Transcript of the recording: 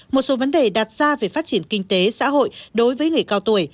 một số vấn đề đạt ra về phát triển kinh tế xã hội đối với người cao tuổi